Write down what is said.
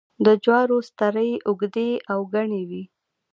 د جوارو سترۍ اوږدې او گڼې وي.